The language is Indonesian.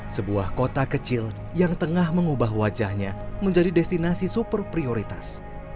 sebuah kota kecil yang tengah mengubah wajahnya menjadi destinasi super prioritas